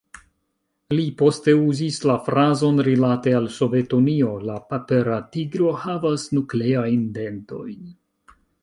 Li poste uzis la frazon rilate al Sovetunio: la "papera tigro havas nukleajn dentojn".